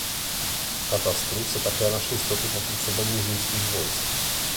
V katastru se také našly stopy po působení římských vojsk.